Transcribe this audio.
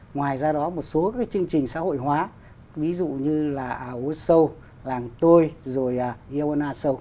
ngoài ra đó một số cái chương trình xã hội hóa ví dụ như là ảo sâu làng tôi rồi iona show